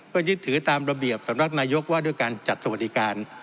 ก็ยึดถือตามระเบียบสำนักนายกว่าด้วยการจัดสวัสดิการ